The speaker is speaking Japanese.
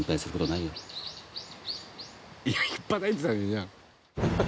いやひっぱたいてたじゃん。